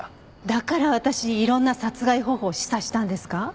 だから私にいろんな殺害方法を示唆したんですか？